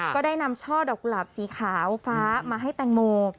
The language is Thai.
ก็ได้นำช่อดอกกุหลาบสีขาวฟ้ามาให้แตงโม